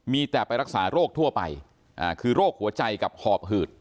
มีแต่ไปรักษาโรคทั่วไปคือโรคหัวใจกับหอบหืด